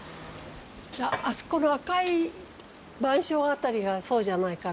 あそこの赤いマンション辺りがそうじゃないかなと思う。